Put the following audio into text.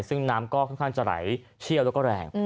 ซึ่งน้ำก็ค่อนข้างจะไหลเชี่ยวแล้วก็แรง